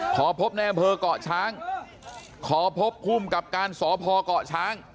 ขอพบแนวเผอก่อช้างขอพบภูมิกับการสอพอก่อช้าง